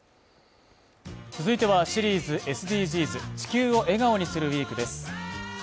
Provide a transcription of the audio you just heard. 続いてはシリーズ「ＳＤＧｓ」「地球を笑顔にするＷＥＥＫ」です。